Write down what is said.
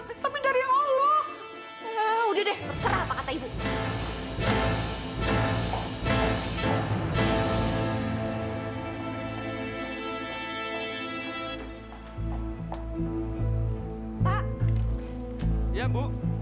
siapa yang meninggal pak